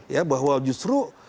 ya bahwa justru